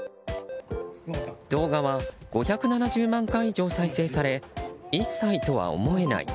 動画は５７０万回以上再生され１歳とは思えない。